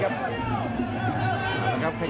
ขวางแขงขวาเจอเททิ้ง